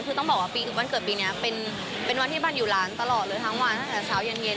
คือต้องบอกว่าปีวันเกิดปีนี้เป็นวันที่บ้านอยู่ร้านตลอดเลยทั้งวันตั้งแต่เช้าเย็น